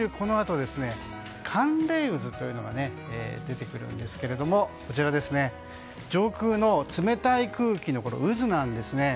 ただ、今週このあと寒冷渦というのが出てくるんですけれども上空の冷たい空気の渦なんですね。